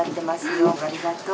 どうもありがとう。